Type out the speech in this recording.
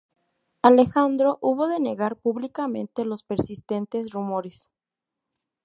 Alejandro hubo de negar públicamente los persistentes rumores.